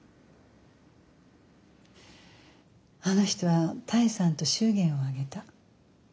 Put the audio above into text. あの人は多江さんと祝言を挙げた。